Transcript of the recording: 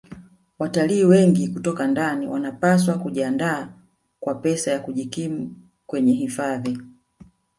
Watalii wengi kutoka ndani wanapaswa kujiandaa kwa pesa ya kujikimu kwenye hifadhi